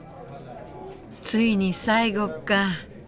ついに最後か。